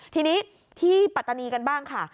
ทีนี้ที่ปัตตานีกันบ้างค่ะ